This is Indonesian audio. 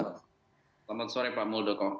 selamat sore pak muldoko